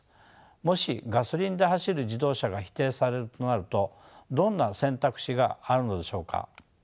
もしガソリンで走る自動車が否定されるとなるとどんな選択肢があるのでしょうか。